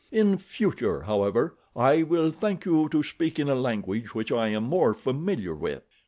In future, however, I will thank you to speak in a language which I am more familiar with."